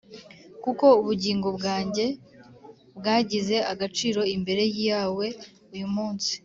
kuko ubugingo bwanjye bwagize agaciro imbere yawe uyu munsi.